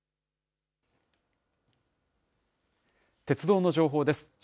鉄道の情報です。